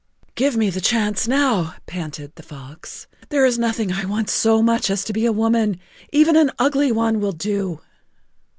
"Give me the chance now," panted the fox. "There is nothing I want so much[Pg 24] as to be a woman, even an ugly one will do."